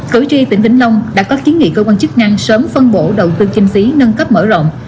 cử tri tỉnh vĩnh long đã có kiến nghị cơ quan chức năng sớm phân bổ đầu tư kinh phí nâng cấp mở rộng